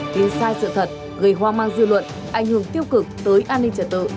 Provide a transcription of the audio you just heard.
khiến sai sự thật gây hoang mang dư luận ảnh hưởng tiêu cực tới an ninh trả tự